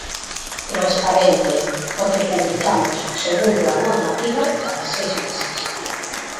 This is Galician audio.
Transparente, porque publicamos, segundo a normativa, cada seis meses.